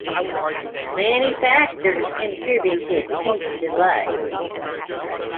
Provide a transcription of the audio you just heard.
Many factors contributed to the delay.